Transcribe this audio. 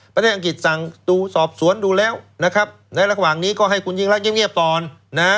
อังกฤษสั่งดูสอบสวนดูแล้วนะครับในระหว่างนี้ก็ให้คุณยิ่งรักเงียบก่อนนะ